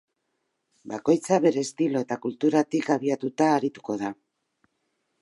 Bakoitza bere estilo eta kulturatik abiatuta arituko da.